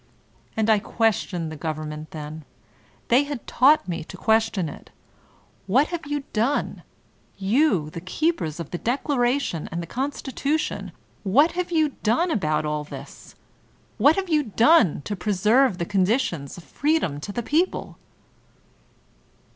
And I questioned the government then; they had taught me to question it What have you done — you the keepers of the Declaration and the G>nstitution — what have you done about all this? What have you done to preserve the conditions of freedom to the people?